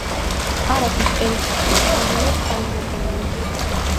არაგვის ერისთავთა საგვარეულოს წარმომადგენელი.